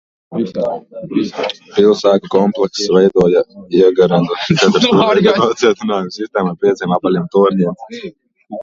Pils ēku komplekss veidoja iegarenu četrstūrveida nocietinājumu sistēmu ar pieciem apaļiem torņiem.